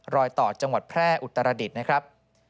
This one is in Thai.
รอยต่อจังหวัดแพร่อุตรดิษฐ์นะครับ